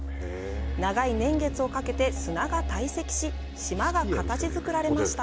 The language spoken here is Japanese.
長い年月をかけて砂が堆積し島が形作られました。